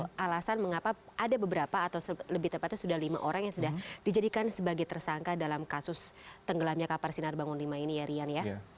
itu alasan mengapa ada beberapa atau lebih tepatnya sudah lima orang yang sudah dijadikan sebagai tersangka dalam kasus tenggelamnya kapal sinar bangun v ini ya rian ya